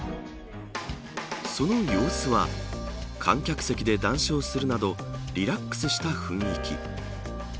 その様子は観客席で談笑するなどリラックスした雰囲気。